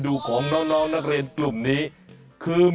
คุณต้องเข้าใจใหม่หมดแล้ว